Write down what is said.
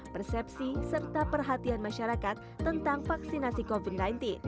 persepsi serta perhatian masyarakat tentang vaksinasi covid sembilan belas